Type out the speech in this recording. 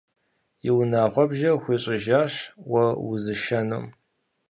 И унагъуэбжэр хуищӏыжащ уэ узышэнум.